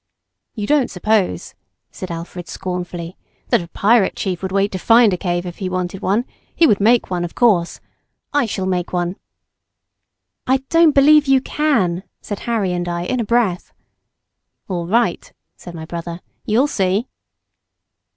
"You don't suppose," said Alfred scornfully, "that a pirate chief would wait to find a cave if he wanted one—he would make one of course; I shall make one." "I don't believe you can," said Harry and I in a breath. "All right," said my brother, "you'll see!"